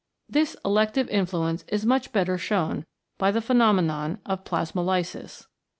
This elective influence is much better shown by the phenomenon of Plasmolysis.